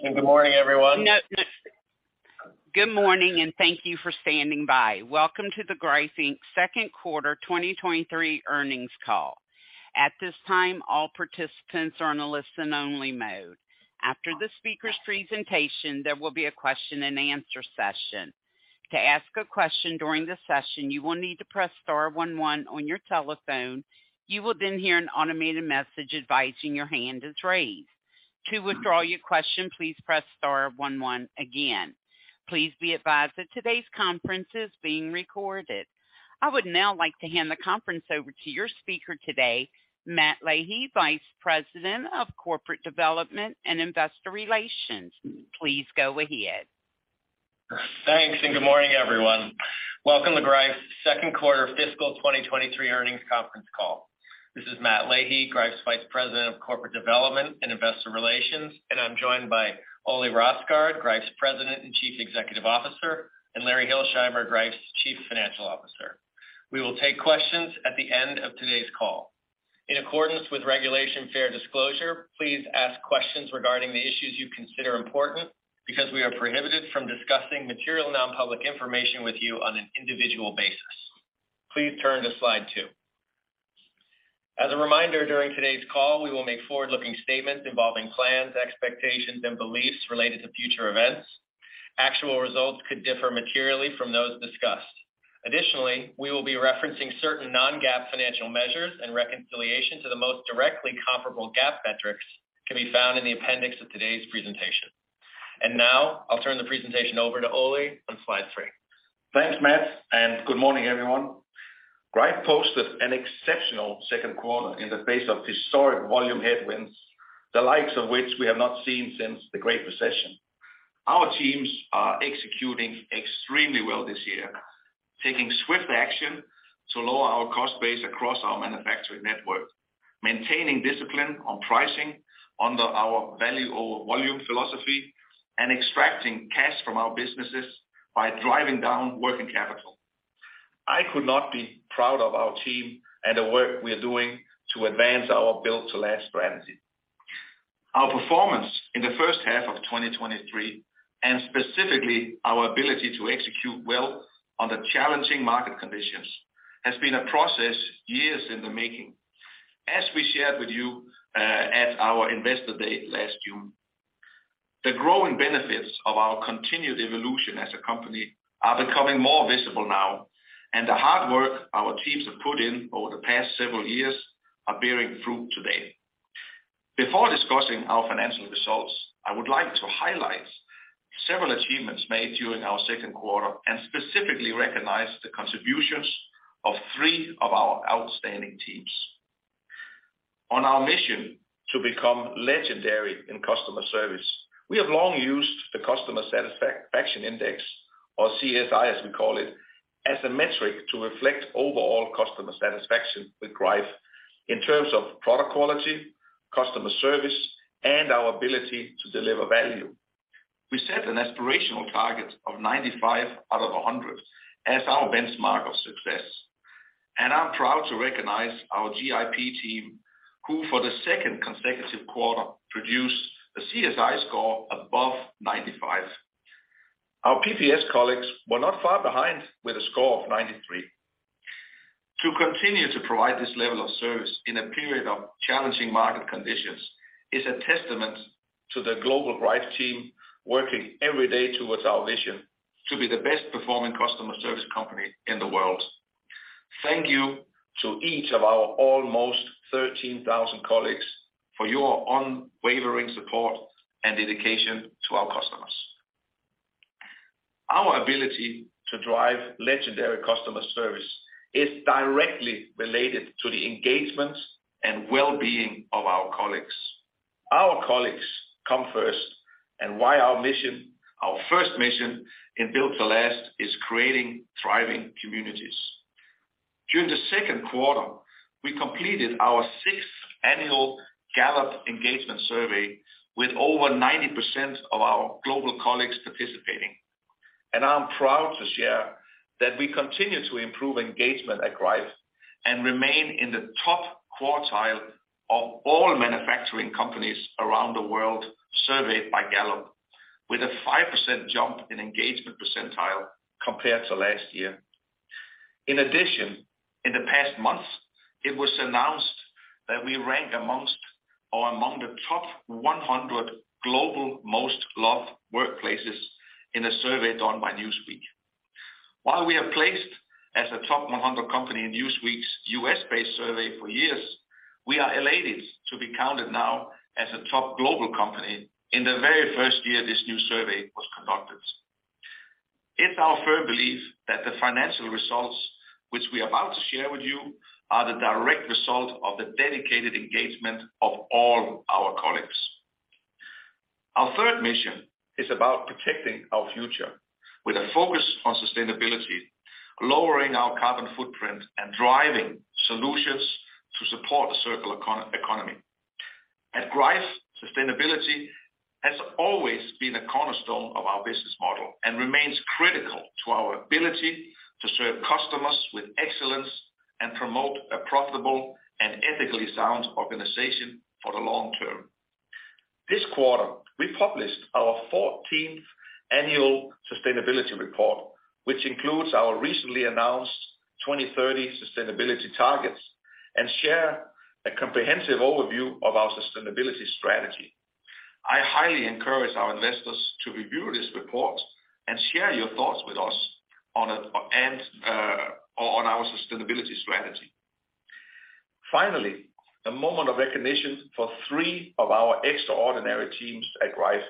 Good morning, everyone. Good morning, thank you for standing by. Welcome to the Greif, Inc. second quarter 2023 earnings call. At this time, all participants are on a listen-only mode. After the speaker's presentation, there will be a question-and-answer session. To ask a question during the session, you will need to press star one one on your telephone. You will hear an automated message advising your hand is raised. To withdraw your question, please press star one one again. Please be advised that today's conference is being recorded. I would now like to hand the conference over to your speaker today, Matt Leahy, Vice President of Corporate Development and Investor Relations. Please go ahead. Thanks, good morning, everyone. Welcome to Greif's second quarter fiscal 2023 earnings conference call. This is Matt Leahy, Greif's Vice President of Corporate Development and Investor Relations, and I'm joined by Ole Rosgaard, Greif's President and Chief Executive Officer, and Larry Hilsheimer, Greif's Chief Financial Officer. We will take questions at the end of today's call. In accordance with Regulation Fair Disclosure, please ask questions regarding the issues you consider important because we are prohibited from discussing material non-public information with you on an individual basis. Please turn to slide two. As a reminder, during today's call, we will make forward-looking statements involving plans, expectations, and beliefs related to future events. Actual results could differ materially from those discussed. We will be referencing certain non-GAAP financial measures and reconciliation to the most directly comparable GAAP metrics can be found in the appendix of today's presentation. Now I'll turn the presentation over to Ole on slide three. Thanks, Matt, and good morning, everyone. Greif posted an exceptional second quarter in the face of historic volume headwinds, the likes of which we have not seen since the Great Recession. Our teams are executing extremely well this year, taking swift action to lower our cost base across our manufacturing network, maintaining discipline on pricing under our value over volume philosophy, and extracting cash from our businesses by driving down working capital. I could not be proud of our team and the work we are doing to advance our Build to Last strategy. Our performance in the first half of 2023, and specifically our ability to execute well under challenging market conditions, has been a process years in the making. As we shared with you, at our Investor Day last June, the growing benefits of our continued evolution as a company are becoming more visible now, and the hard work our teams have put in over the past several years are bearing fruit today. Before discussing our financial results, I would like to highlight several achievements made during our second quarter and specifically recognize the contributions of three of our outstanding teams. On our mission to become legendary in customer service, we have long used the Customer Satisfaction Index, or CSI, as we call it, as a metric to reflect overall customer satisfaction with Greif in terms of product quality, customer service, and our ability to deliver value. We set an aspirational target of 95 out of 100 as our benchmark of success, and I'm proud to recognize our GIP team, who, for the second consecutive quarter, produced a CSI score above 95. Our PPS colleagues were not far behind, with a score of 93. To continue to provide this level of service in a period of challenging market conditions is a testament to the global Greif team working every day towards our vision to be the best performing customer service company in the world. Thank you to each of our almost 13,000 colleagues for your unwavering support and dedication to our customers. Our ability to drive legendary customer service is directly related to the engagement and well-being of our colleagues. Our colleagues come first, and why our mission, our first mission in Build to Last is creating thriving communities. During the second quarter, we completed our sixth annual Gallup Engagement Survey, with over 90% of our global colleagues participating. I'm proud to share that we continue to improve engagement at Greif and remain in the top quartile of all manufacturing companies around the world surveyed by Gallup, with a 5% jump in engagement percentile compared to last year. In addition, in the past month, it was announced that we rank amongst or among the top 100 global most loved workplaces in a survey done by Newsweek. While we are placed as a top 100 company in Newsweek's U.S.-based survey for years, we are elated to be counted now as a top global company in the very first year this new survey was conducted. It's our firm belief that the financial results, which we are about to share with you, are the direct result of the dedicated engagement of all our colleagues. Our third mission is about protecting our future with a focus on sustainability, lowering our carbon footprint, and driving solutions to support a circular economy. At Greif, sustainability has always been a cornerstone of our business model and remains critical to our ability to serve customers with excellence. Promote a profitable and ethically sound organization for the long term. This quarter, we published our 14th annual sustainability report, which includes our recently announced 2030 sustainability targets, share a comprehensive overview of our sustainability strategy. I highly encourage our investors to review this report and share your thoughts with us on it, and on our sustainability strategy. Finally, a moment of recognition for three of our extraordinary teams at Greif,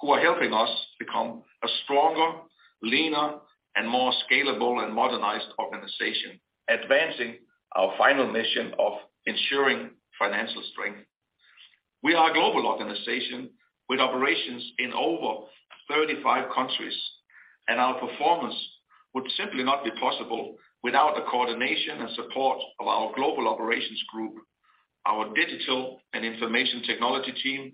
who are helping us become a stronger, leaner, and more scalable and modernized organization, advancing our final mission of ensuring financial strength. We are a global organization with operations in over 35 countries. Our performance would simply not be possible without the coordination and support of our Global Operations Group, our digital and information technology team,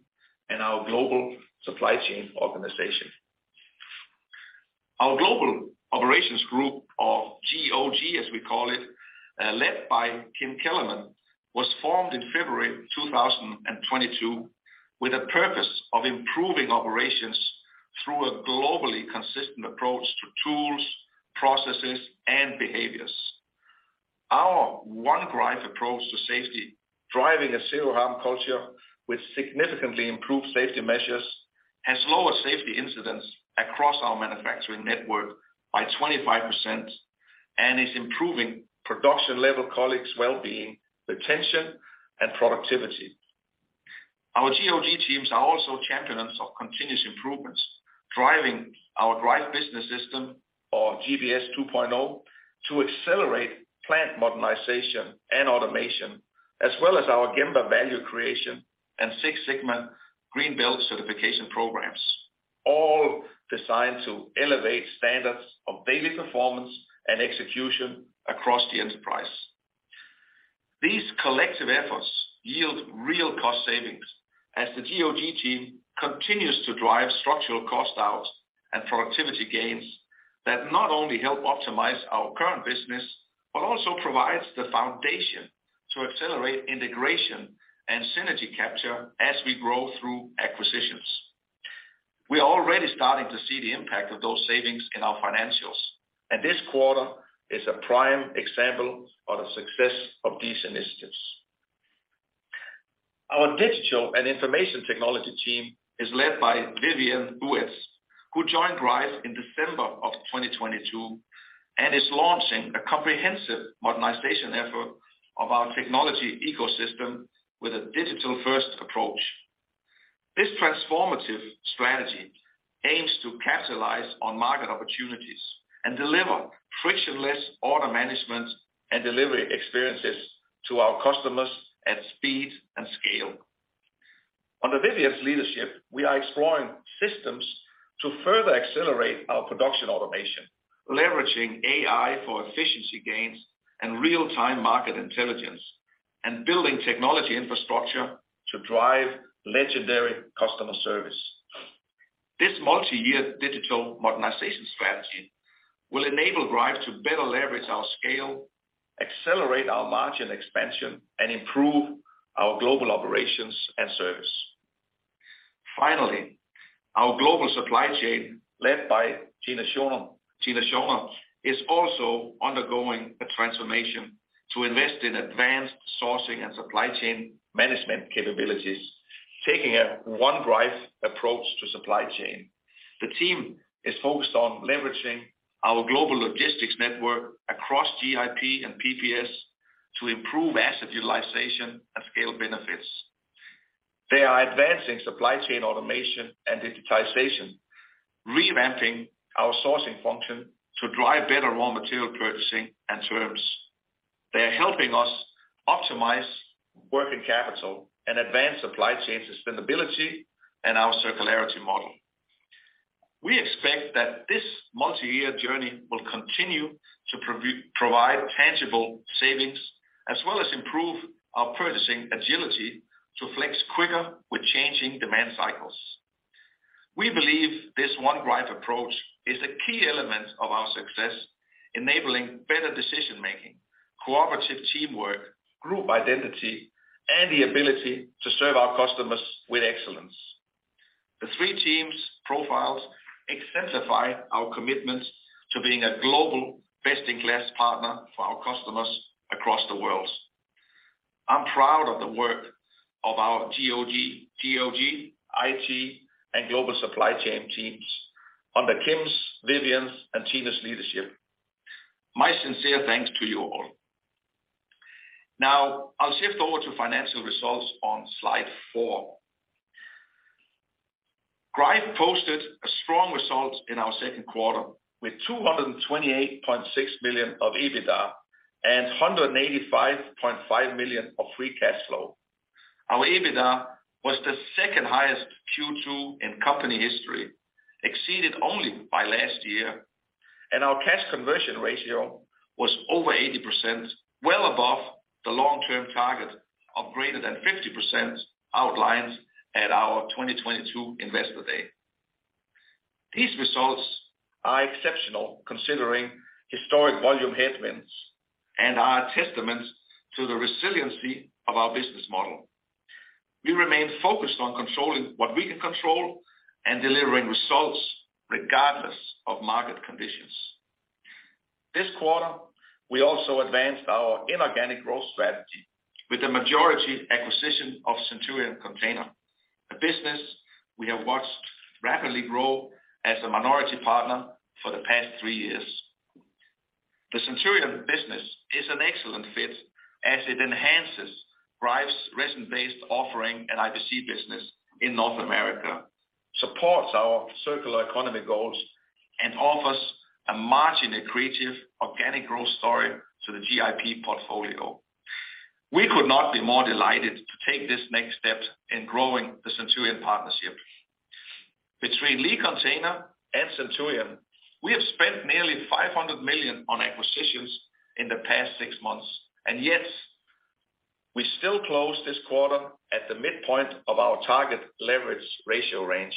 and our global supply chain organization. Our Global Operations Group, or GOG, as we call it, led by Kim Kellermann, was formed in February 2022 with a purpose of improving operations through a globally consistent approach to tools, processes, and behaviors. Our One Greif approach to safety, driving a zero-harm culture with significantly improved safety measures, has lowered safety incidents across our manufacturing network by 25% and is improving production level colleagues' well-being, retention, and productivity. Our GOG teams are also champions of continuous improvements, driving our Greif Business System, or GBS 2.0, to accelerate plant modernization and automation, as well as our Gemba value creation and Six Sigma Green Belt certification programs, all designed to elevate standards of daily performance and execution across the enterprise. These collective efforts yield real cost savings as the GOG team continues to drive structural cost outs and productivity gains that not only help optimize our current business, but also provides the foundation to accelerate integration and synergy capture as we grow through acquisitions. We are already starting to see the impact of those savings in our financials. This quarter is a prime example of the success of these initiatives. Our digital and information technology team is led by Vivian Bouet, who joined Greif in December of 2022, is launching a comprehensive modernization effort of our technology ecosystem with a digital-first approach. This transformative strategy aims to capitalize on market opportunities and deliver frictionless order management and delivery experiences to our customers at speed and scale. Under Vivian's leadership, we are exploring systems to further accelerate our production automation, leveraging AI for efficiency gains and real-time market intelligence, building technology infrastructure to drive legendary customer service. This multi-year digital modernization strategy will enable Greif to better leverage our scale, accelerate our margin expansion, and improve our global operations and service. Finally, our global supply chain, led by Tina Schoner, is also undergoing a transformation to invest in advanced sourcing and supply chain management capabilities, taking a One Greif approach to supply chain. The team is focused on leveraging our global logistics network across GIP and PPS to improve asset utilization and scale benefits. They are advancing supply chain automation and digitization, revamping our sourcing function to drive better raw material purchasing and terms. They are helping us optimize working capital and advance supply chain sustainability and our circularity model. We expect that this multi-year journey will continue to provide tangible savings, as well as improve our purchasing agility to flex quicker with changing demand cycles. We believe this One Greif approach is a key element of our success, enabling better decision-making, cooperative teamwork, group identity, and the ability to serve our customers with excellence. The three teams' profiles exemplify our commitment to being a global, best-in-class partner for our customers across the world. I'm proud of the work of our GOG, IT, and global supply chain teams under Kim's, Vivian's, and Tina's leadership. My sincere thanks to you all. I'll shift over to financial results on slide four. Greif posted a strong result in our second quarter with $228.6 million of EBITDA and $185.5 million of free cash flow. Our EBITDA was the second highest Q2 in company history, exceeded only by last year, and our cash conversion ratio was over 80%, well above the long-term target of greater than 50% outlined at our 2022 Investor Day. These results are exceptional considering historic volume headwinds and are a testament to the resiliency of our business model. We remain focused on controlling what we can control and delivering results regardless of market conditions. This quarter, we also advanced our inorganic growth strategy with the majority acquisition of Centurion Container, a business we have watched rapidly grow as a minority partner for the past three years. The Centurion business is an excellent fit as it enhances Greif's resin-based offering and IBC business in North America, supports our circular economy goals, and offers a margin-accretive organic growth story to the GIP portfolio. We could not be more delighted to take this next step in growing the Centurion partnership. Between Lee Container and Centurion, we have spent nearly $500 million on acquisitions in the past six months, and yet we still closed this quarter at the midpoint of our target leverage ratio range.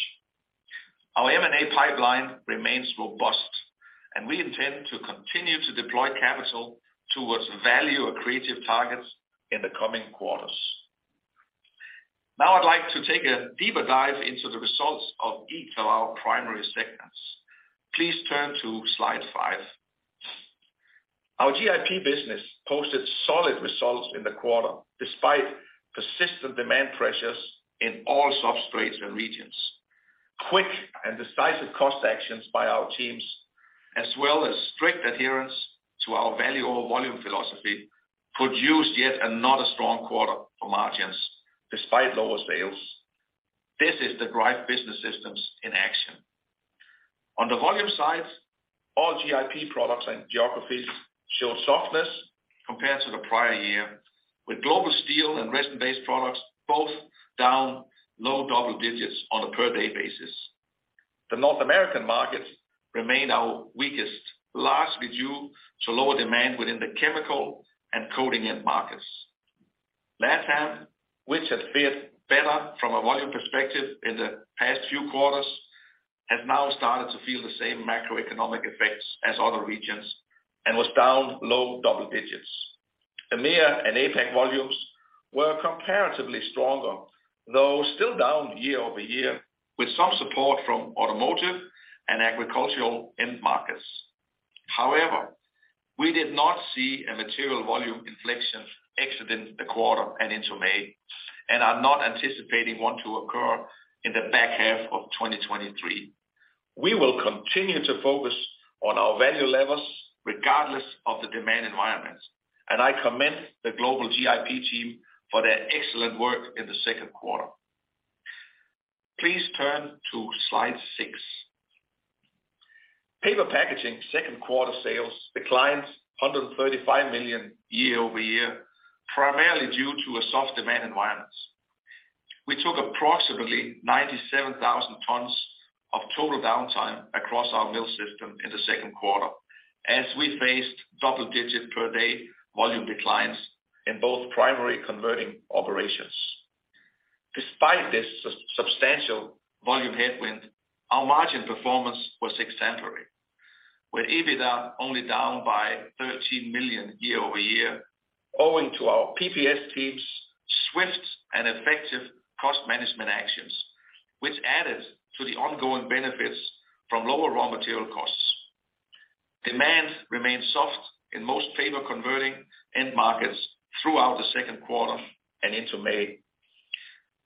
Our M&A pipeline remains robust, and we intend to continue to deploy capital towards value-accretive targets in the coming quarters. Now I'd like to take a deeper dive into the results of each of our primary segments. Please turn to slide five. Our GIP business posted solid results in the quarter, despite persistent demand pressures in all substrates and regions. Quick and decisive cost actions by our teams, as well as strict adherence to our value over volume philosophy, produced yet another strong quarter for margins despite lower sales. This is the Greif Business System in action. On the volume side, all GIP products and geographies showed softness compared to the prior year, with global steel and resin-based products both down low double digits on a per day basis. The North American markets remain our weakest, largely due to lower demand within the chemical and coating end markets. LATAM, which had fared better from a volume perspective in the past few quarters, has now started to feel the same macroeconomic effects as other regions and was down low double digits. EMEA and APAC volumes were comparatively stronger, though still down year-over-year, with some support from automotive and agricultural end markets. We did not see a material volume inflection exiting the quarter and into May, and are not anticipating one to occur in the back half of 2023. We will continue to focus on our value levers regardless of the demand environment, and I commend the global GIP team for their excellent work in the second quarter. Please turn to slide six. Paper packaging second quarter sales declined $135 million year-over-year, primarily due to a soft demand environment. We took approximately 97,000 tons of total downtime across our mill system in the second quarter as we faced double-digit per day volume declines in both primary converting operations. Despite this substantial volume headwind, our margin performance was exemplary, with EBITDA only down by $13 million year-over-year, owing to our PPS team's swift and effective cost management actions, which added to the ongoing benefits from lower raw material costs. Demand remained soft in most paper converting end markets throughout the second quarter and into May.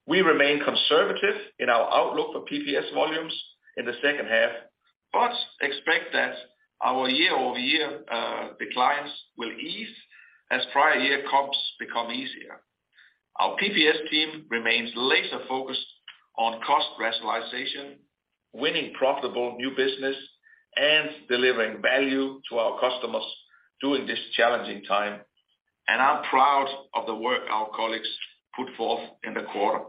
We remain conservative in our outlook for PPS volumes in the second half, but expect that our year-over-year declines will ease as prior year comps become easier. Our PPS team remains laser focused on cost rationalization, winning profitable new business, and delivering value to our customers during this challenging time. I'm proud of the work our colleagues put forth in the quarter.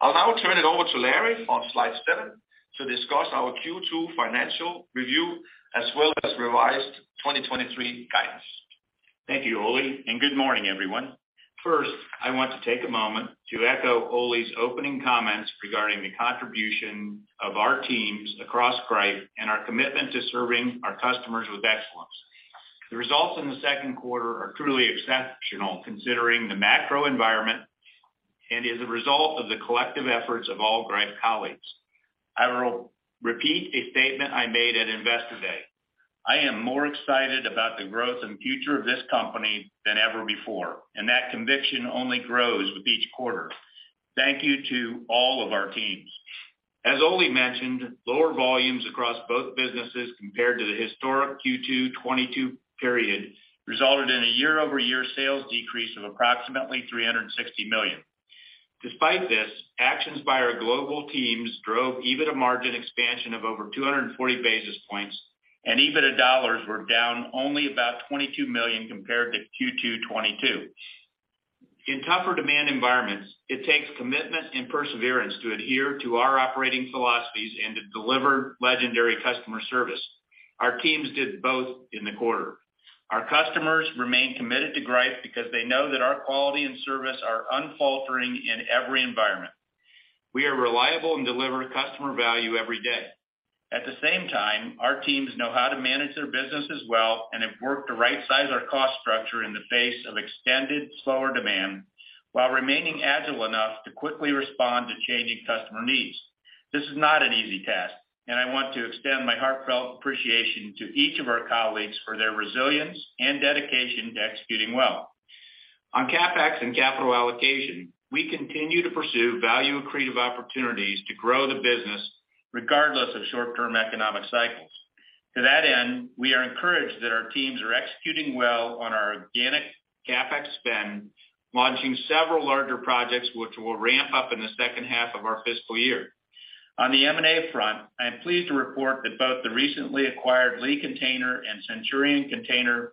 I'll now turn it over to Larry on slide seven to discuss our Q2 financial review, as well as revised 2023 guidance. Thank you, Ole. Good morning, everyone. First, I want to take a moment to echo Ole's opening comments regarding the contribution of our teams across Greif and our commitment to serving our customers with excellence. The results in the second quarter are truly exceptional, considering the macro environment and is a result of the collective efforts of all Greif colleagues. I will repeat a statement I made at Investor Day. I am more excited about the growth and future of this company than ever before. That conviction only grows with each quarter. Thank you to all of our teams. Ole mentioned, lower volumes across both businesses compared to the historic Q2 2022 period resulted in a year-over-year sales decrease of approximately $360 million. Despite this, actions by our global teams drove EBITDA margin expansion of over 240 basis points, and EBITDA dollars were down only about $22 million compared to Q2 2022. In tougher demand environments, it takes commitment and perseverance to adhere to our operating philosophies and to deliver legendary customer service. Our teams did both in the quarter. Our customers remain committed to Greif because they know that our quality and service are unfaltering in every environment. We are reliable and deliver customer value every day. At the same time, our teams know how to manage their businesses well and have worked to right-size our cost structure in the face of extended slower demand, while remaining agile enough to quickly respond to changing customer needs. This is not an easy task. I want to extend my heartfelt appreciation to each of our colleagues for their resilience and dedication to executing well. On CapEx and capital allocation, we continue to pursue value-accretive opportunities to grow the business, regardless of short-term economic cycles. To that end, we are encouraged that our teams are executing well on our organic CapEx spend, launching several larger projects, which will ramp up in the second half of our fiscal year. On the M&A front, I am pleased to report that both the recently acquired Lee Container and Centurion Container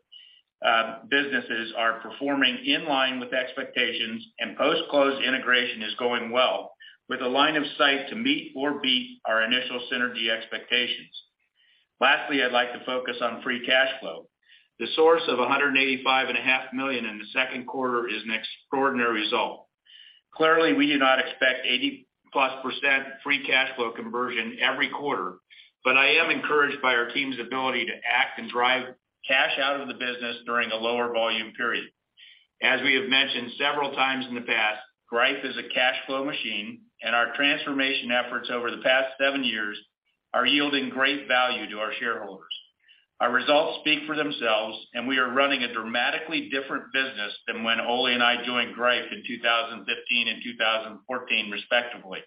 businesses are performing in line with expectations, and post-close integration is going well, with a line of sight to meet or beat our initial synergy expectations. Lastly, I'd like to focus on free cash flow. The source of $a hundred and eighty-five and a half million in the second quarter is an extraordinary result. Clearly, we do not expect 80%+ free cash flow conversion every quarter, but I am encouraged by our team's ability to act and drive cash out of the business during a lower volume period. As we have mentioned several times in the past, Greif is a cash flow machine, and our transformation efforts over the past 7 years are yielding great value to our shareholders. Our results speak for themselves, and we are running a dramatically different business than when Ole and I joined Greif in 2015 and 2014, respectively.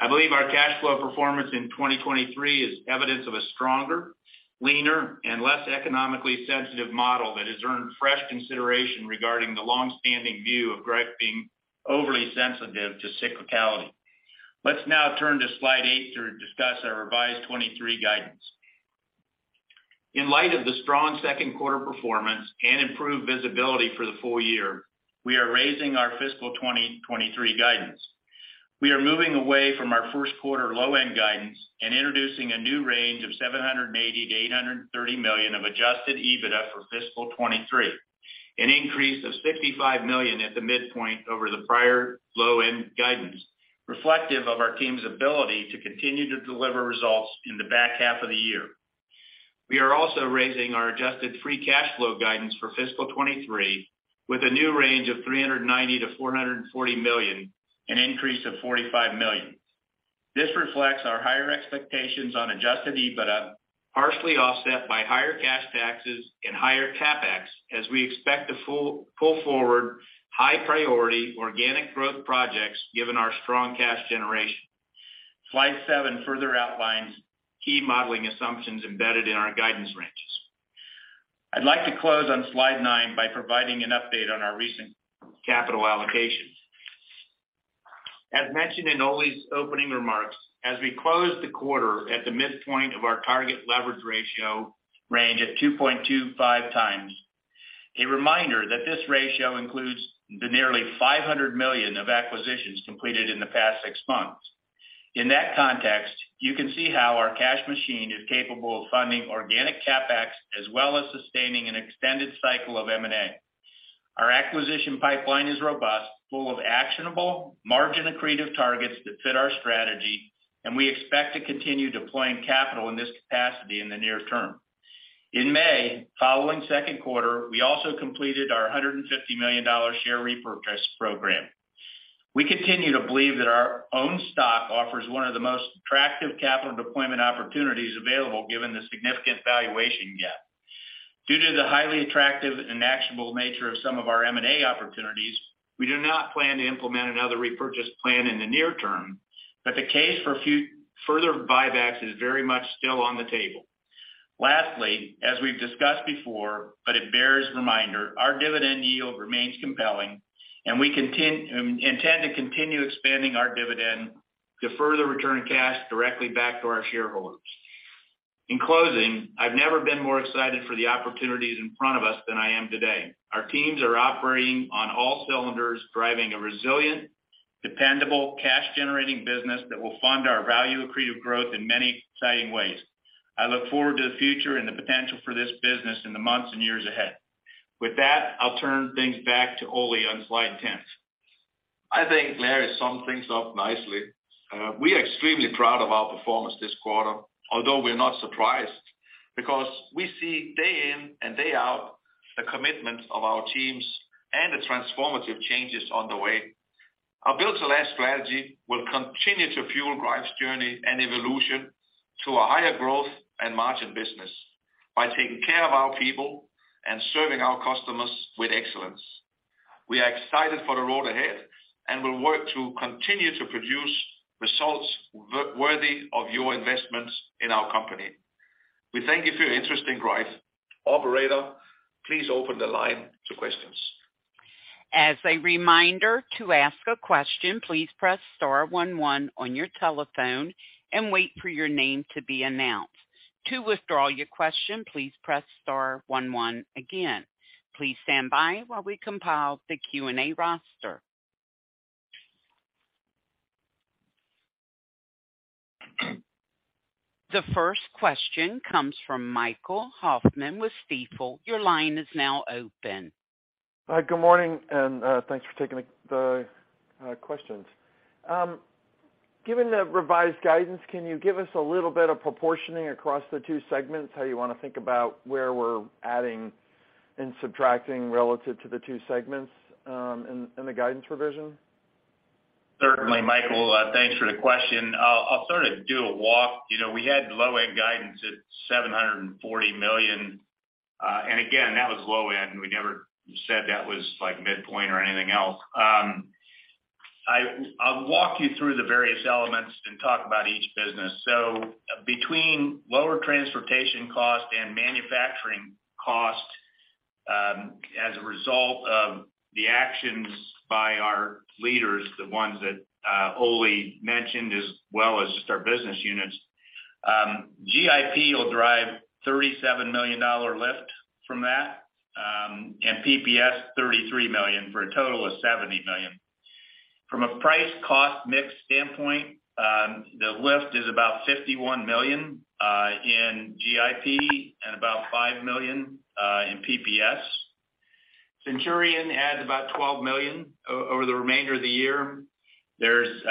I believe our cash flow performance in 2023 is evidence of a stronger, leaner, and less economically sensitive model that has earned fresh consideration regarding the long-standing view of Greif being overly sensitive to cyclicality. Let's now turn to slide eight to discuss our revised 2023 guidance. In light of the strong second quarter performance and improved visibility for the full-year, we are raising our fiscal 2023 guidance. We are moving away from our first quarter low-end guidance and introducing a new range of $780-830 million of adjusted EBITDA for fiscal 2023, an increase of $65 million at the midpoint over the prior low-end guidance, reflective of our team's ability to continue to deliver results in the back half of the year. We are also raising our adjusted free cash flow guidance for fiscal 2023, with a new range of $390-440 million, an increase of $45 million. This reflects our higher expectations on adjusted EBITDA, partially offset by higher cash taxes and higher CapEx, as we expect to pull forward high-priority organic growth projects, given our strong cash generation. Slide seven further outlines key modeling assumptions embedded in our guidance ranges. I'd like to close on Slide 9 by providing an update on our recent capital allocations. As mentioned in Ole's opening remarks, as we close the quarter at the midpoint of our target leverage ratio range at 2.25 times, a reminder that this ratio includes the nearly $500 million of acquisitions completed in the past six months. In that context, you can see how our cash machine is capable of funding organic CapEx, as well as sustaining an extended cycle of M&A. Our acquisition pipeline is robust, full of actionable, margin-accretive targets that fit our strategy, and we expect to continue deploying capital in this capacity in the near term. In May, following second quarter, we also completed our $150 million share repurchase program. We continue to believe that our own stock offers one of the most attractive capital deployment opportunities available, given the significant valuation gap. Due to the highly attractive and actionable nature of some of our M&A opportunities, we do not plan to implement another repurchase plan in the near term. The case for further buybacks is very much still on the table. Lastly, as we've discussed before, but it bears reminder, our dividend yield remains compelling. We intend to continue expanding our dividend to further return cash directly back to our shareholders. In closing, I've never been more excited for the opportunities in front of us than I am today. Our teams are operating on all cylinders, driving a resilient, dependable, cash-generating business that will fund our value-accretive growth in many exciting ways. I look forward to the future and the potential for this business in the months and years ahead. With that, I'll turn things back to Ole on slide 10. I think Larry summed things up nicely. We are extremely proud of our performance this quarter, although we're not surprised, because we see day in and day out the commitment of our teams and the transformative changes on the way. Our Build to Last strategy will continue to fuel Greif's journey and evolution to a higher growth and margin business by taking care of our people and serving our customers with excellence. We are excited for the road ahead, we'll work to continue to produce results worthy of your investments in our company. We thank you for your interest in Greif. Operator, please open the line to questions. As a reminder, to ask a question, please press star one one on your telephone and wait for your name to be announced. To withdraw your question, please press star one one again. Please stand by while we compile the Q&A roster. The first question comes from Michael Hoffman with Stifel. Your line is now open. Hi, good morning. Thanks for taking the questions. Given the revised guidance, can you give us a little bit of proportioning across the two segments, how you want to think about where we're adding and subtracting relative to the two segments, in the guidance provision? Certainly, Michael, thanks for the question. I'll sort of do a walk. You know, we had low-end guidance at $740 million, and again, that was low end. We never said that was like midpoint or anything else. I'll walk you through the various elements and talk about each business. Between lower transportation cost and manufacturing cost, as a result of the actions by our leaders, the ones that Ole mentioned, as well as just our business units, GIP will drive $37 million lift from that, and PPS, $33 million, for a total of $70 million. From a price cost mix standpoint, the lift is about $51 million in GIP and about $5 million in PPS. Centurion adds about $12 million over the remainder of the year. There's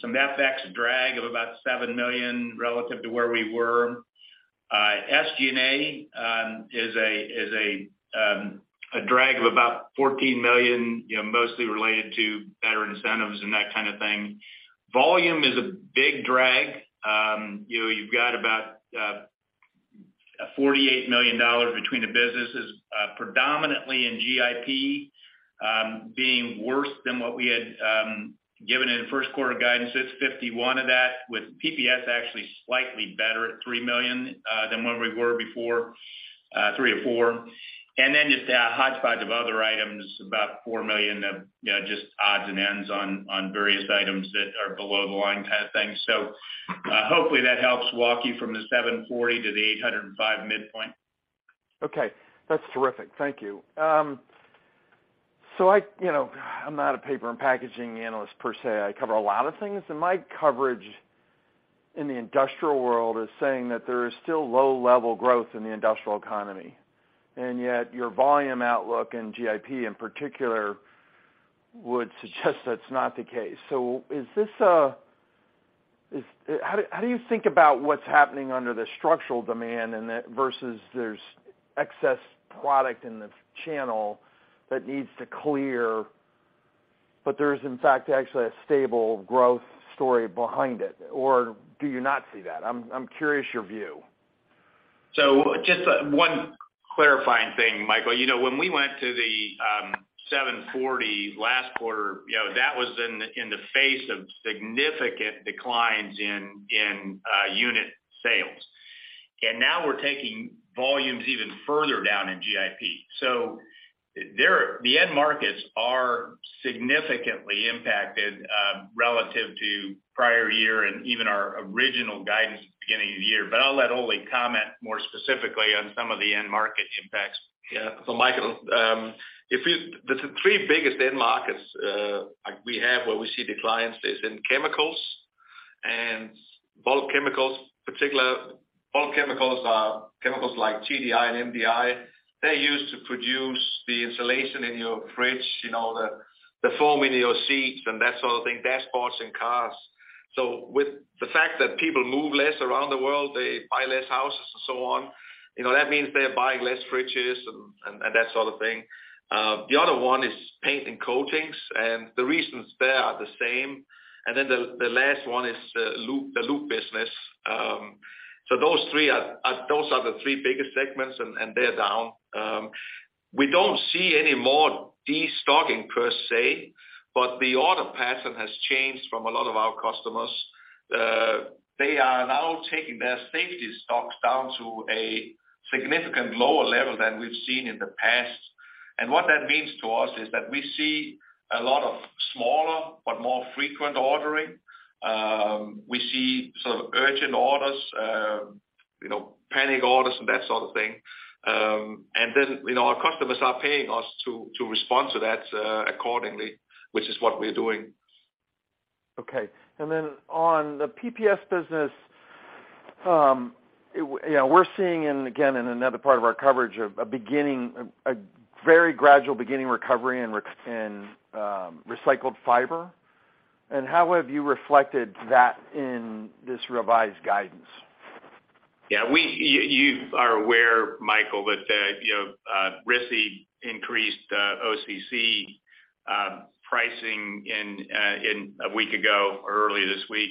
some FX drag of about $7 million relative to where we were. SG&A is a drag of about $14 million, you know, mostly related to better incentives and that kind of thing. Volume is a big drag. You know, you've got about $48 million between the businesses, predominantly in GIP, being worse than what we had given in the first quarter guidance. It's $51 of that, with PPS actually slightly better at $3 million than where we were before, three or four. Just a hodgepodge of other items, about $4 million of, you know, just odds and ends on various items that are below the line kind of thing. Hopefully, that helps walk you from the $740 to the $805 midpoint. Okay, that's terrific. Thank you. You know, I'm not a paper and packaging analyst per se. I cover a lot of things, and my coverage in the industrial world is saying that there is still low-level growth in the industrial economy, and yet your volume outlook in GIP, in particular, would suggest that's not the case. How do you think about what's happening under the structural demand and that, versus there's excess product in the channel that needs to clear, but there's, in fact, actually a stable growth story behind it? Do you not see that? I'm curious your view. Just one clarifying thing, Michael. You know, when we went to the 740 last quarter, you know, that was in the face of significant declines in unit sales. Now we're taking volumes even further down in GIP. There, the end markets are significantly impacted relative to prior year and even our original guidance at the beginning of the year. I'll let Ole comment more specifically on some of the end market impacts. Michael, the three biggest end markets we have, where we see declines, is in chemicals and bulk chemicals. Particular bulk chemicals are chemicals like TDI and MDI. They're used to produce the insulation in your fridge, you know, the foam in your seats and that sort of thing, dashboards in cars. With the fact that people move less around the world, they buy less houses and so on, you know, that means they're buying less fridges and that sort of thing. The other one is paint and coatings, the reasons there are the same. Then the last one is the lube business. Those three are those are the three biggest segments, and they're down. We don't see any more destocking per se, but the order pattern has changed from a lot of our customers. They are now taking their safety stocks down to a significant lower level than we've seen in the past. What that means to us is that we see a lot of smaller but more frequent ordering. We see sort of urgent orders, you know, panic orders and that sort of thing. Then, you know, our customers are paying us to respond to that accordingly, which is what we're doing. Okay. On the PPS business, you know, we're seeing, and again, in another part of our coverage, a beginning, a very gradual beginning recovery in recycled fiber. How have you reflected that in this revised guidance? Yeah, you are aware, Michael, that the, you know, RISI increased OCC pricing in a week ago or earlier this week.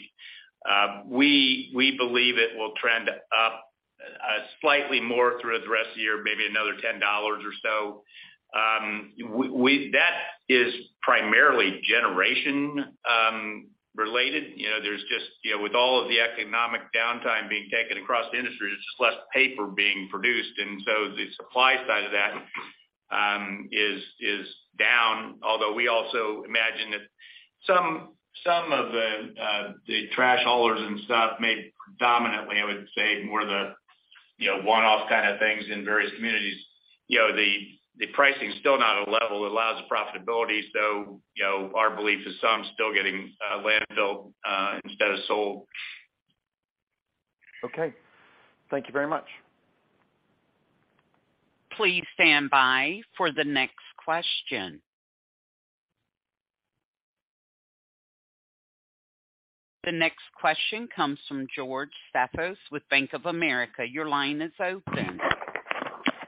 We believe it will trend up slightly more through the rest of the year, maybe another $10 or so. That is primarily generation related. You know, there's just, you know, with all of the economic downtime being taken across the industry, there's just less paper being produced, and so the supply side of that is down. Although, we also imagine that some of the trash haulers and stuff may predominantly, I would say, more, you know, one-off kind of things in various communities. You know, the pricing is still not at a level that allows the profitability, so, you know, our belief is some still getting, landfilled, instead of sold. Okay. Thank you very much. Please stand by for the next question. The next question comes from George Staphos with Bank of America. Your line is open.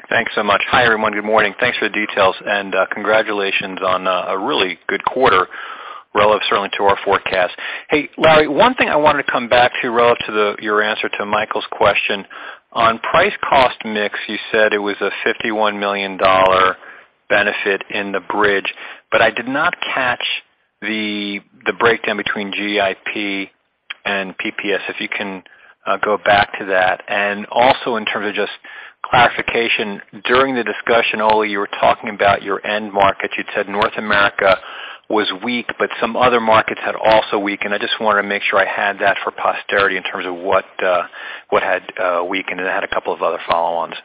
Thanks so much. Hi, everyone. Good morning. Thanks for the details, and congratulations on a really good quarter, relative certainly to our forecast. Hey, Larry, one thing I wanted to come back to, relative to the, your answer to Michael's question. On price cost mix, you said it was a $51 million benefit in the bridge, but I did not catch the breakdown between GIP and PPS, if you can go back to that. Also in terms of just clarification, during the discussion, Ole, you were talking about your end markets. You'd said North America was weak, but some other markets had also weakened. I just wanted to make sure I had that for posterity in terms of what had weakened, and I had a couple of other follow-ons.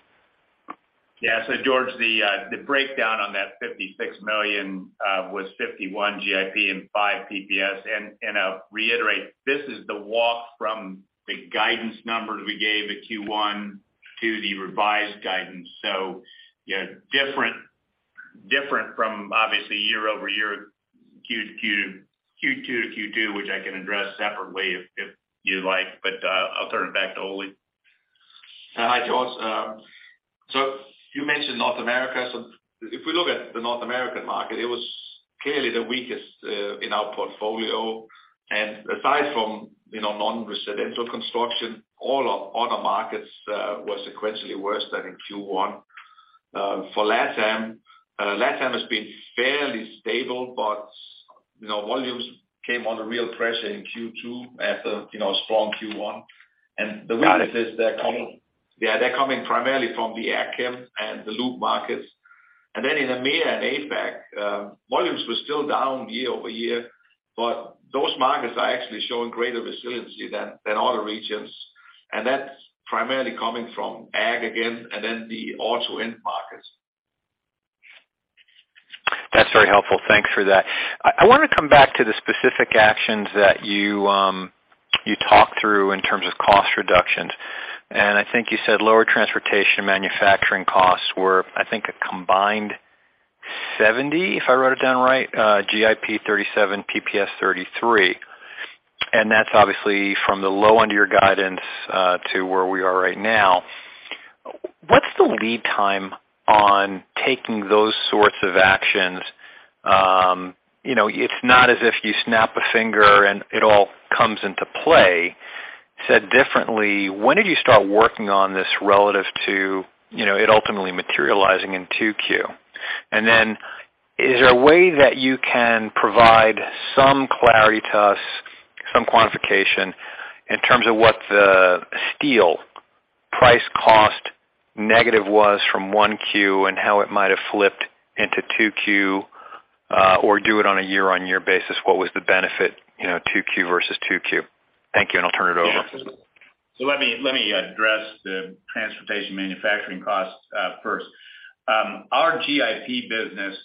Yeah. George, the breakdown on that $56 million was $51 GIP and $5 PPS. I'll reiterate, this is the walk from the guidance numbers we gave at Q1 to the revised guidance. You know, different from obviously year-over-year, Q2 to Q2, which I can address separately if you'd like, I'll turn it back to Ole. Hi, George. You mentioned North America. If we look at the North American market, it was clearly the weakest in our portfolio. Aside from, you know, non-residential construction, all our other markets were sequentially worse than in Q1. For LatAm has been fairly stable, but, you know, volumes came under real pressure in Q2 after, you know, a strong Q1. The weaknesses- Got it. Yeah, they're coming primarily from the ag chem and the lube markets. In EMEA and APAC, volumes were still down year-over-year, but those markets are actually showing greater resiliency than other regions, and that's primarily coming from ag again, and then the auto end markets. That's very helpful. Thanks for that. I wanna come back to the specific actions that you talked through in terms of cost reductions. I think you said lower transportation and manufacturing costs were, I think, a combined $70, if I wrote it down right, GIP $37, PPS $33. That's obviously from the low end of your guidance, to where we are right now. What's the lead time on taking those sorts of actions? You know, it's not as if you snap a finger and it all comes into play. Said differently, when did you start working on this relative to, you know, it ultimately materializing in 2Q? Is there a way that you can provide some clarity to us, some quantification, in terms of what the steel price cost negative was from Q1, and how it might have flipped into Q2, or do it on a year-on-year basis, what was the benefit, you know, Q2 versus Q2? Thank you. I'll turn it over. Let me, let me address the transportation manufacturing costs first. Our GIP business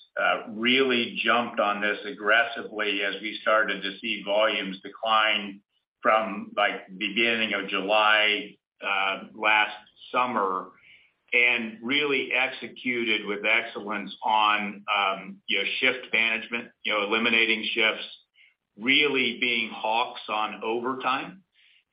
really jumped on this aggressively as we started to see volumes decline from, like, beginning of July last summer, and really executed with excellence on, you know, shift management, you know, eliminating shifts, really being hawks on overtime,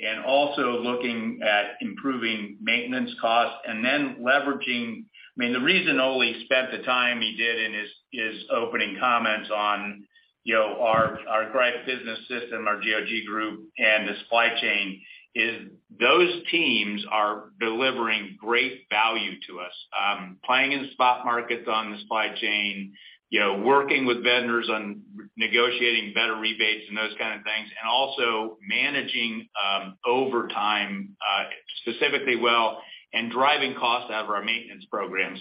and also looking at improving maintenance costs and then leveraging... I mean, the reason Ole spent the time he did in his opening comments on, you know, our Greif Business System, our GOG group, and the supply chain, is those teams are delivering great value to us. Playing in spot markets on the supply chain, you know, working with vendors on negotiating better rebates and those kind of things, and also managing overtime specifically well, and driving costs out of our maintenance program.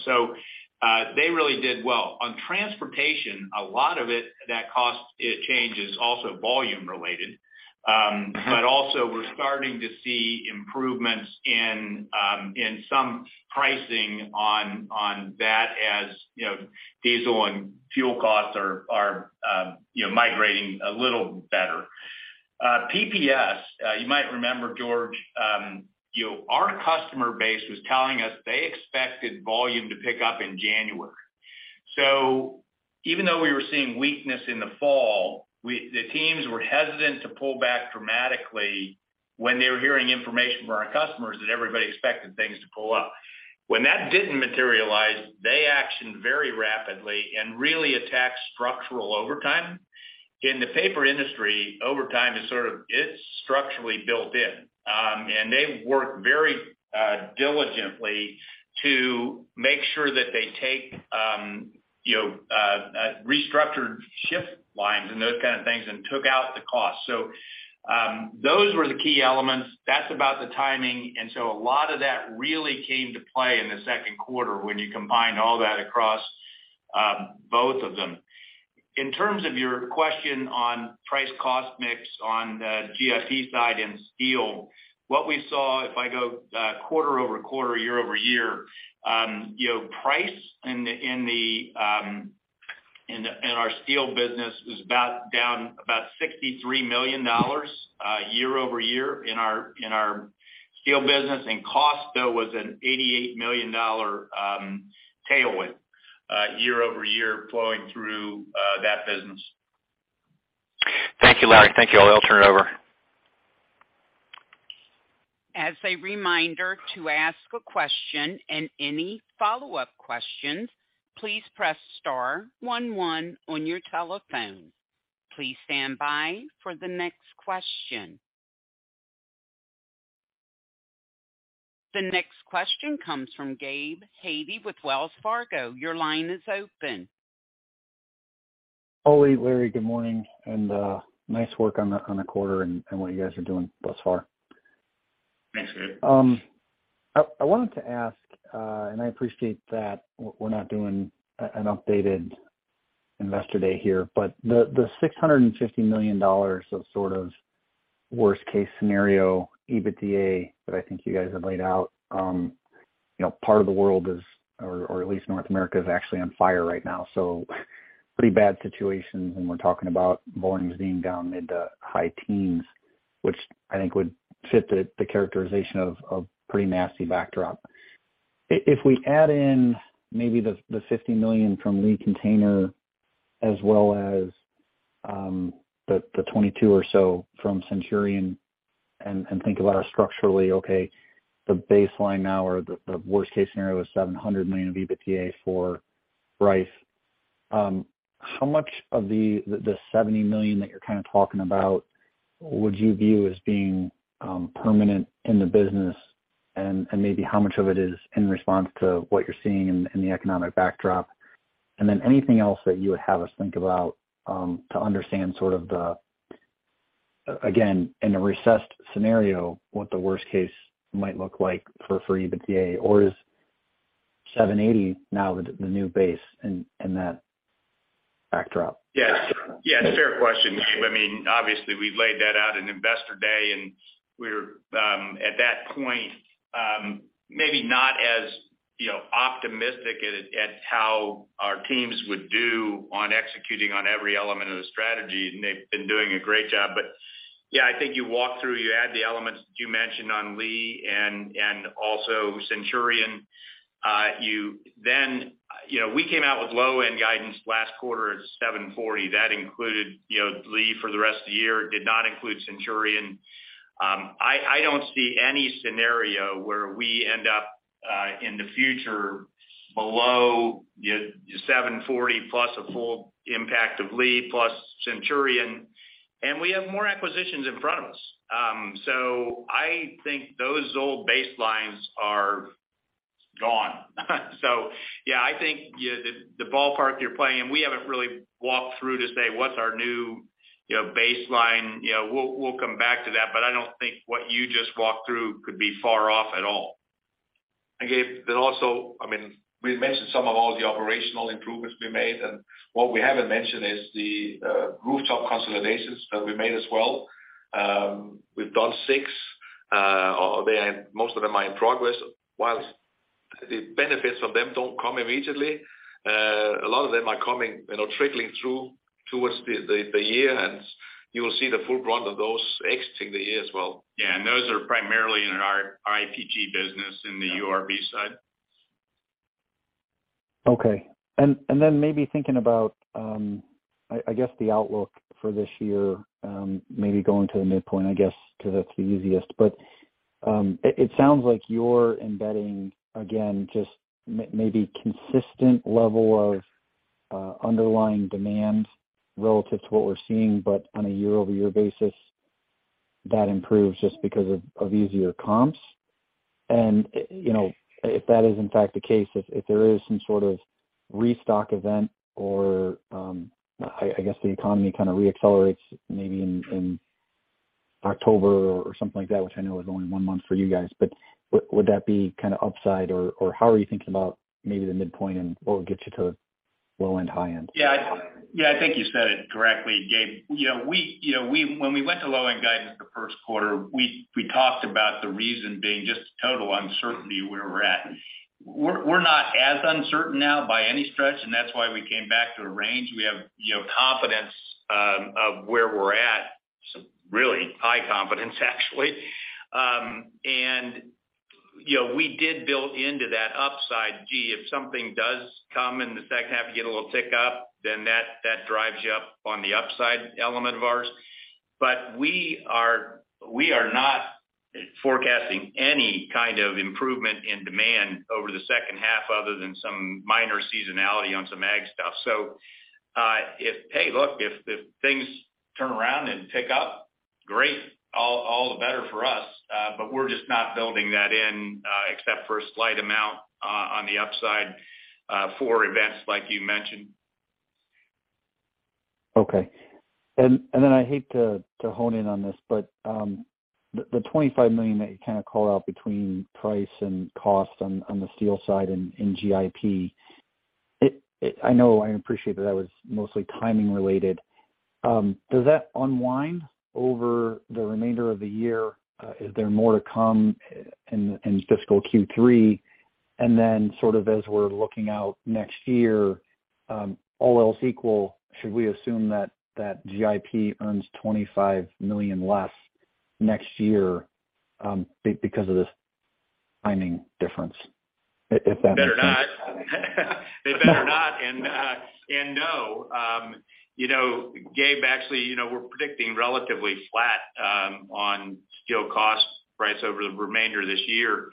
They really did well. On transportation, a lot of it, that cost change, is also volume related. Also we're starting to see improvements in some pricing on that as, you know, diesel and fuel costs are, you know, migrating a little better. PPS, you might remember, George, you know, our customer base was telling us they expected volume to pick up in January. Even though we were seeing weakness in the fall, the teams were hesitant to pull back dramatically when they were hearing information from our customers that everybody expected things to pull up. When that didn't materialize, they actioned very rapidly and really attacked structural overtime. In the paper industry, overtime is sort of, it's structurally built in. They worked very diligently to make sure that they take restructured shift lines and those kind of things, and took out the cost. Those were the key elements. That's about the timing, a lot of that really came to play in the second quarter when you combine all that across both of them. In terms of your question on price cost mix on the GIP side in steel, what we saw, if I go quarter-over-quarter, year-over-year, price in our steel business is about down about $63 million year-over-year in our steel business. Cost, though, was an $88 million tailwind year-over-year flowing through that business. Thank you, Larry. Thank you, all. I'll turn it over. As a reminder, to ask a question and any follow-up questions, please press star one one on your telephone. Please stand by for the next question. The next question comes from Gabe Hajde with Wells Fargo. Your line is open. Ole, Larry, good morning, and nice work on the quarter and what you guys are doing thus far. Thanks, Gabe. I wanted to ask, I appreciate that we're not doing an updated Investor Day here, but the $650 million of sort of worst case scenario EBITDA that I think you guys have laid out, you know, part of the world is, or at least North America, is actually on fire right now. Pretty bad situation when we're talking about volumes being down mid to high teens, which I think would fit the characterization of pretty nasty backdrop. If we add in maybe the $50 million from Lee Container as well as the $22 or so from Centurion, and think about our structurally, okay, the baseline now or the worst case scenario is $700 million of EBITDA for Greif. How much of the $70 million that you're kind of talking about would you view as being permanent in the business? Maybe how much of it is in response to what you're seeing in the economic backdrop? Then anything else that you would have us think about to understand sort of again, in a recessed scenario, what the worst case might look like for EBITDA, or is $780 now the new base in that backdrop? Yes. Yeah, it's a fair question, Gabe. I mean, obviously, we've laid that out in Investor Day, and we're at that point, maybe not as, you know, optimistic at how our teams would do on executing on every element of the strategy, and they've been doing a great job. Yeah, I think you walk through, you add the elements that you mentioned on Lee and also Centurion. You then, you know, we came out with low-end guidance last quarter at 740. That included, you know, Lee for the rest of the year. It did not include Centurion. I don't see any scenario where we end up in the future below the 740, plus a full impact of Lee, plus Centurion, and we have more acquisitions in front of us. I think those old baselines are gone. I think, yeah, the ballpark you're playing, and we haven't really walked through to say, what's our new, you know, baseline? We'll come back to that, but I don't think what you just walked through could be far off at all. Gabe, but also, I mean, we've mentioned some of all the operational improvements we made, and what we haven't mentioned is the rooftop consolidations that we made as well. We've done six, most of them are in progress, whilst the benefits of them don't come immediately, a lot of them are coming, you know, trickling through towards the year, and you will see the full brunt of those exiting the year as well. Yeah, those are primarily in our IPG business in the URB side. Okay. Then maybe thinking about, I guess, the outlook for this year, maybe going to the midpoint, I guess, because that's the easiest. It sounds like you're embedding, again, just maybe consistent level of underlying demand relative to what we're seeing, but on a year-over-year basis, that improves just because of easier comps. You know, if that is in fact the case, if there is some sort of restock event or, I guess, the economy kind of re-accelerates maybe in October or something like that, which I know is only one month for you guys, but would that be kind of upside, or how are you thinking about maybe the midpoint and what would get you to low end, high end? Yeah. Yeah, I think you said it correctly, Gabe. You know, when we went to low-end guidance the 1st quarter, we talked about the reason being just total uncertainty where we're at. We're not as uncertain now by any stretch. That's why we came back to a range. We have, you know, confidence of where we're at, really high confidence, actually. You know, we did build into that upside, gee, if something does come in the second half, you get a little tick up, then that drives you up on the upside element of ours. We are not forecasting any kind of improvement in demand over the 2nd half other than some minor seasonality on some ag stuff. If, hey, look, if things turn around and pick up, great, all the better for us. We're just not building that in, except for a slight amount, on the upside, for events like you mentioned. Okay. Then I hate to hone in on this, but the $25 million that you kind of called out between price and cost on the steel side in GIP, I know, I appreciate that that was mostly timing related. Does that unwind over the remainder of the year? Is there more to come in fiscal Q3? Then sort of as we're looking out next year, all else equal, should we assume that GIP earns $25 million less next year because of this timing difference? If that makes sense? It better not. It better not. No. You know, Gabe, actually, you know, we're predicting relatively flat on steel cost price over the remainder of this year.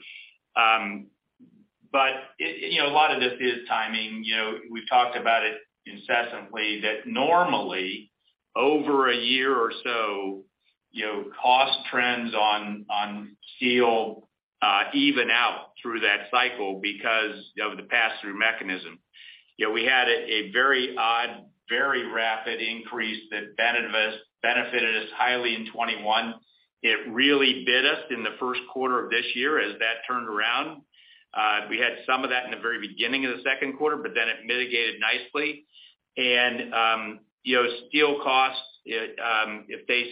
It, you know, a lot of this is timing. You know, we've talked about it incessantly, that normally, over a year or so, you know, cost trends on steel, even out through that cycle because of the pass-through mechanism. You know, we had a very odd, very rapid increase that benefited us highly in 21. It really bit us in the first quarter of this year as that turned around. We had some of that in the very beginning of the second quarter. It mitigated nicely. You know, steel costs, it if they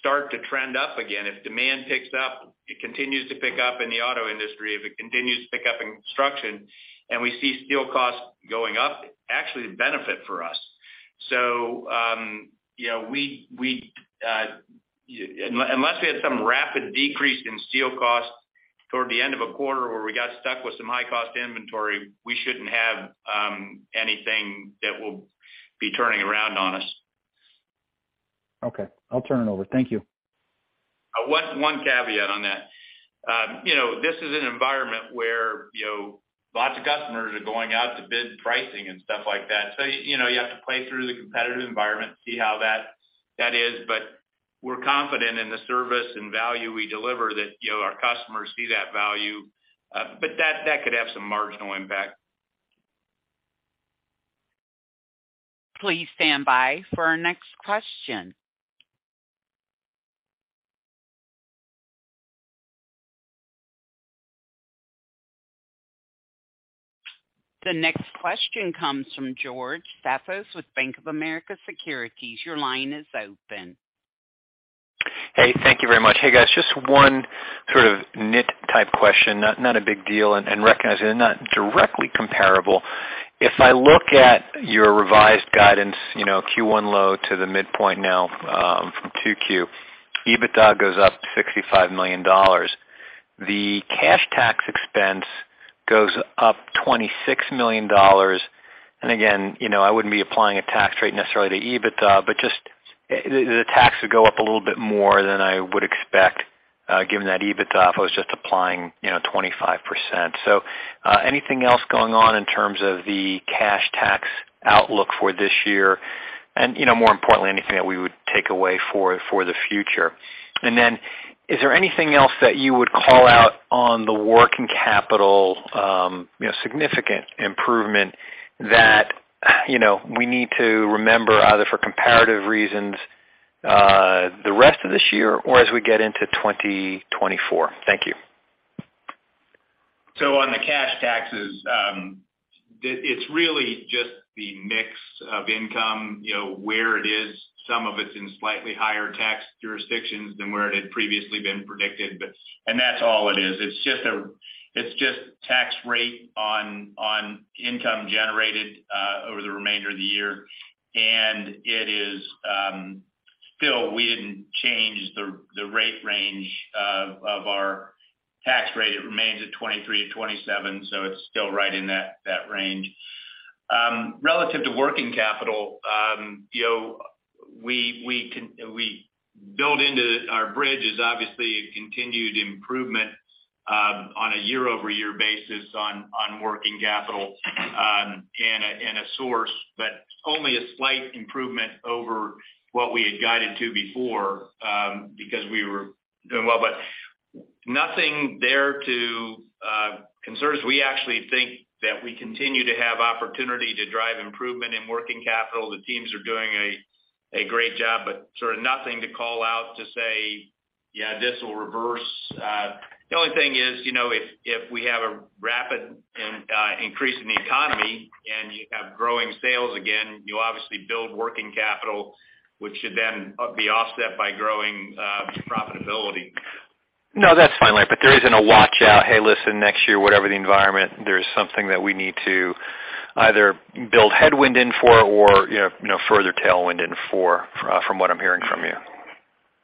start to trend up again, if demand picks up, it continues to pick up in the auto industry, if it continues to pick up in construction, and we see steel costs going up, actually, a benefit for us. You know, we, unless we had some rapid decrease in steel costs toward the end of a quarter where we got stuck with some high cost inventory, we shouldn't have anything that will be turning around on us. Okay. I'll turn it over. Thank you. One caveat on that. You know, this is an environment where, you know, lots of customers are going out to bid pricing and stuff like that. You know, you have to play through the competitive environment to see how that is, but we're confident in the service and value we deliver that, you know, our customers see that value. But that could have some marginal impact. Please stand by for our next question. The next question comes from George Staphos with Bank of America Securities. Your line is open. Hey, thank you very much. Hey, guys, just one sort of nit type question, not a big deal, recognizing they're not directly comparable. If I look at your revised guidance, you know, Q1 low to the midpoint now, from Q2, EBITDA goes up $65 million. The cash tax expense goes up $26 million. Again, you know, I wouldn't be applying a tax rate necessarily to EBITDA, but just, the tax would go up a little bit more than I would expect, given that EBITDA, if I was just applying, you know, 25%. Anything else going on in terms of the cash tax outlook for this year? You know, more importantly, anything that we would take away for the future? Is there anything else that you would call out on the working capital, you know, significant improvement that, you know, we need to remember, either for comparative reasons, the rest of this year or as we get into 2024? Thank you. On the cash taxes, it's really just the mix of income, you know, where it is. Some of it's in slightly higher tax jurisdictions than where it had previously been predicted. That's all it is. It's just tax rate on income generated over the remainder of the year. It is still, we didn't change the rate range of our tax rate. It remains at 23%-27%, it's still right in that range. Relative to working capital, you know, we build into our bridge is obviously a continued improvement on a year-over-year basis on working capital and a source, but only a slight improvement over what we had guided to before because we were doing well. Nothing there to concern us. We actually think that we continue to have opportunity to drive improvement in working capital. The teams are doing a great job, but sort of nothing to call out to say, "Yeah, this will reverse." The only thing is, you know, if we have a rapid increase in the economy and you have growing sales again, you obviously build working capital, which should then be offset by growing profitability. No, that's fine, Larry. There isn't a watch out, Hey, listen, next year, whatever the environment, there's something that we need to either build headwind in for or, you know, no further tailwind in for, from what I'm hearing from you?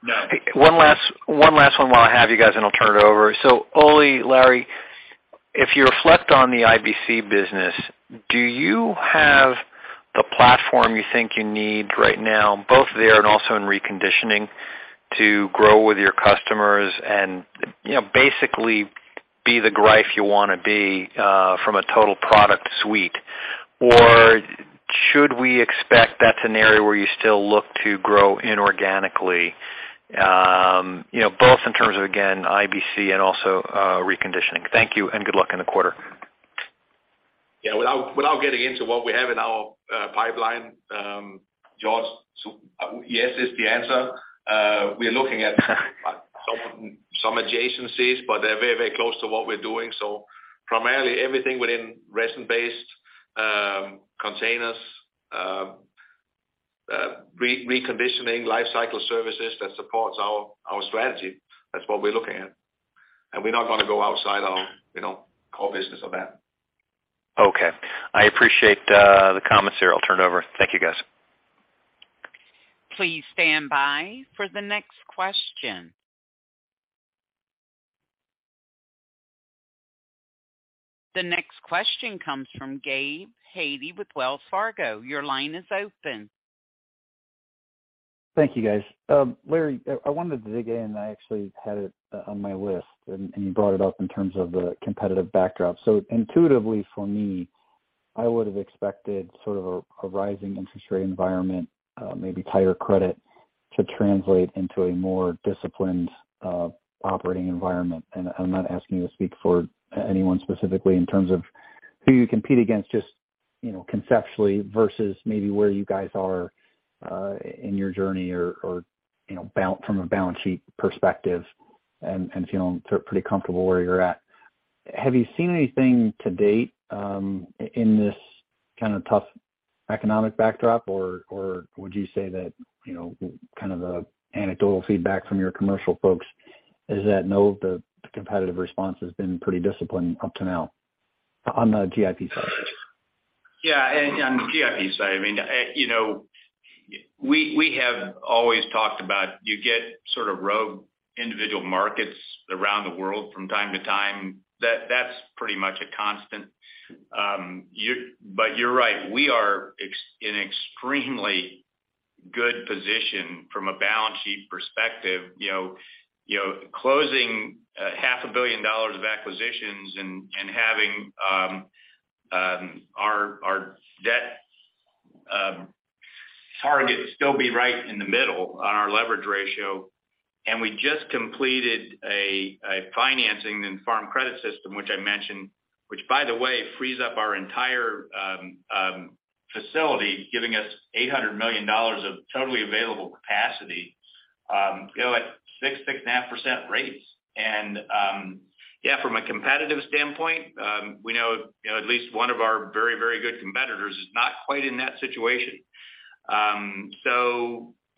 No. One last one while I have you guys, and I'll turn it over. Ole, Larry, if you reflect on the IBC business, do you have the platform you think you need right now, both there and also in reconditioning, to grow with your customers and, you know, basically be the Greif you want to be from a total product suite? Or should we expect that's an area where you still look to grow inorganically, you know, both in terms of, again, IBC and also reconditioning? Thank you, and good luck in the quarter. Yeah, without getting into what we have in our pipeline, George, yes, is the answer. We're looking at some adjacencies, but they're very, very close to what we're doing. Primarily everything within resin-based containers, reconditioning, life cycle services that supports our strategy. That's what we're looking at. We're not gonna go outside our, you know, core business of that. Okay. I appreciate the comments here. I'll turn it over. Thank you, guys. Please stand by for the next question. The next question comes from Gabe Hajde with Wells Fargo. Your line is open. Thank you, guys. Larry, I wanted to dig in, I actually had it on my list, you brought it up in terms of the competitive backdrop. Intuitively for me, I would have expected sort of a rising interest rate environment, maybe tighter credit to translate into a more disciplined operating environment. I'm not asking you to speak for anyone specifically in terms of who you compete against, just, you know, conceptually versus maybe where you guys are in your journey or, you know, from a balance sheet perspective and feeling pretty comfortable where you're at. Have you seen anything to date in this kind of tough economic backdrop? Would you say that, you know, kind of the anecdotal feedback from your commercial folks is that, no, the competitive response has been pretty disciplined up to now, on the GIP side? Yeah, and on the GIP side, I mean, you know, we have always talked about you get sort of rogue individual markets around the world from time to time. That's pretty much a constant. But you're right, we are in extremely good position from a balance sheet perspective. You know, you know, closing half a billion dollars of acquisitions and having our debt target still be right in the middle on our leverage ratio. We just completed a financing and Farm Credit System, which I mentioned, which, by the way, frees up our entire facility, giving us $800 million of totally available capacity, you know, at 6-6.5% rates. Yeah, from a competitive standpoint, we know, you know, at least one of our very, very good competitors is not quite in that situation.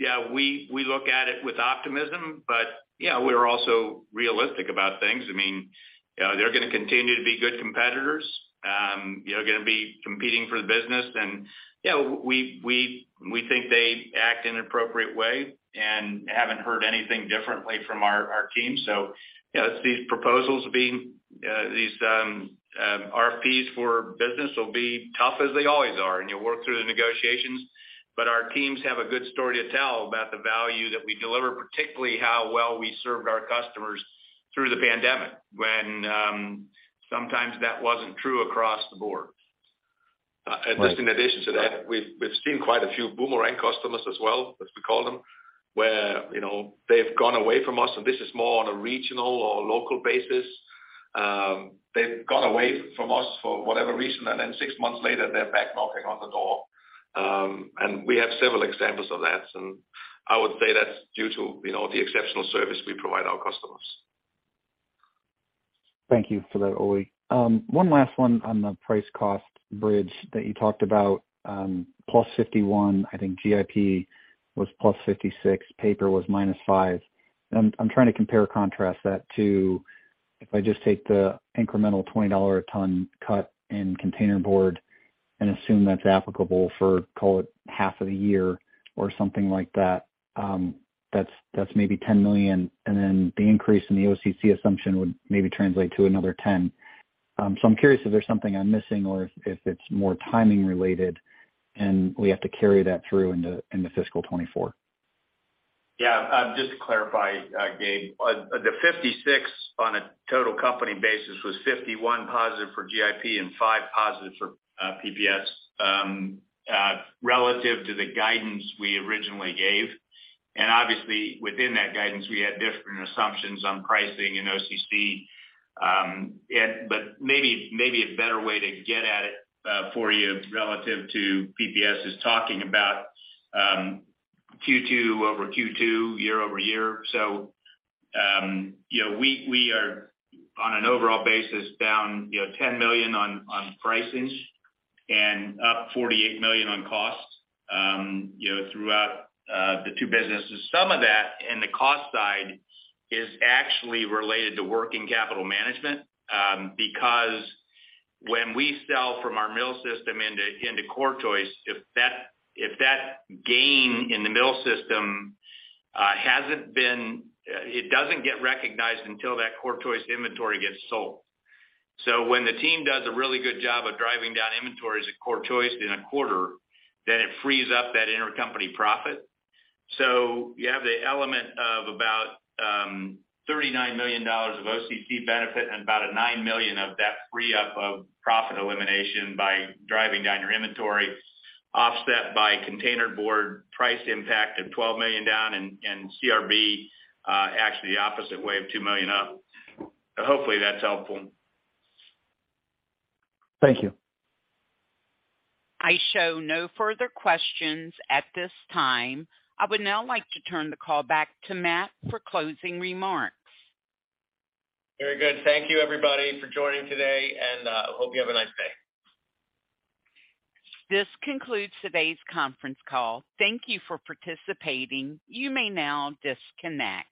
Yeah, we look at it with optimism, but yeah, we're also realistic about things. I mean, they're gonna continue to be good competitors, you know, gonna be competing for the business. Yeah, we, we think they act in an appropriate way and haven't heard anything differently from our team. You know, these proposals being, these, RFPs for business will be tough, as they always are, and you'll work through the negotiations, but our teams have a good story to tell about the value that we deliver, particularly how well we served our customers through the pandemic, when sometimes that wasn't true across the board. Just in addition to that, we've seen quite a few boomerang customers as well, as we call them, where, you know, they've gone away from us, and this is more on a regional or local basis. They've gone away from us for whatever reason, and then six months later, they're back knocking on the door. We have several examples of that. I would say that's due to, you know, the exceptional service we provide our customers. Thank you for that, Ole. One last one on the price-cost bridge that you talked about, plus 51, I think GIP was plus 56, paper was minus 5. I'm trying to compare and contrast that to, if I just take the incremental $20 a ton cut in container board and assume that's applicable for, call it, half of the year or something like that's maybe $10 million, and then the increase in the OCC assumption would maybe translate to another $10 million. I'm curious if there's something I'm missing or if it's more timing related, and we have to carry that through in the fiscal 2024. Yeah, just to clarify, Gabe, the 56 on a total company basis was 51 positive for GIP and 5 positive for PPS, relative to the guidance we originally gave. Obviously, within that guidance, we had different assumptions on pricing and OCC. Maybe a better way to get at it, for you, relative to PPS, is talking about Q2 over Q2, year-over-year. You know, we are, on an overall basis, down, you know, $10 million on pricing and up $48 million on costs, you know, throughout the two businesses. Some of that, in the cost side, is actually related to working capital management. Because when we sell from our mill system into CorrChoice, if that gain in the mill system, it doesn't get recognized until that CorrChoice inventory gets sold. When the team does a really good job of driving down inventories at CorrChoice in a quarter, then it frees up that intercompany profit. You have the element of about $39 million of OCC benefit and about a $9 million of that free up of profit elimination by driving down your inventory, offset by container board price impact of $12 million down, and CRB, actually the opposite way of $2 million up. Hopefully, that's helpful. Thank you. I show no further questions at this time. I would now like to turn the call back to Matt for closing remarks. Very good. Thank you, everybody, for joining today, and hope you have a nice day. This concludes today's conference call. Thank you for participating. You may now disconnect.